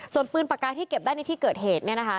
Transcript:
ส่วนปืนปากกาที่เก็บได้ในที่เกิดเหตุเนี่ยนะคะ